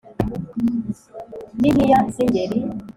n'impiya z'ingeri!